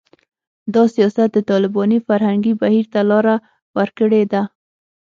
دا سیاست د طالباني فرهنګي بهیر ته لاره ورکړې ده